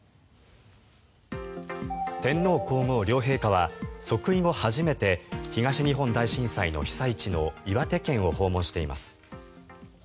天皇・皇后両陛下は即位後初めて東日本大震災の被災地の岩手県を訪問しています。